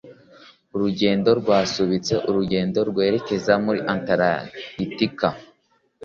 Urugendo rwasubitse urugendo rwerekeza muri Antaragitika